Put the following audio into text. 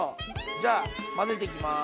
じゃあ混ぜていきます。